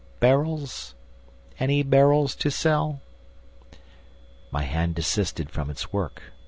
... Barrels! ... Any barrels to sell?" My hand desisted from its work.